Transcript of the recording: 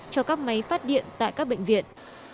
cho các máy phát điện tại các bệnh viện